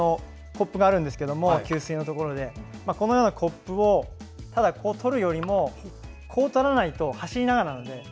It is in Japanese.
コツがあるんですけど給水のところでコップをただ取るよりもつまみながら取らないと走りながらなので。